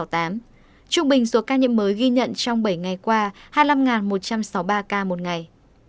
trung bình số ca nhiễm mới ghi nhận trong bảy ngày qua hai mươi năm một trăm sáu mươi ba ca một ngày